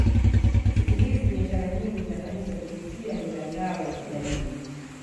siku hizi biashara nyingi zinafanyika kupitia mitandao ya kijamii